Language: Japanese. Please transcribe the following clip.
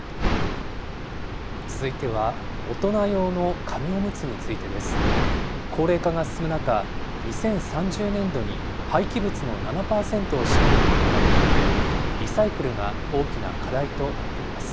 続いては、大人用の紙おむつについてです。高齢化が進む中、２０３０年度に廃棄物の７％を占めると見込まれていて、リサイクルが大きな課題となっています。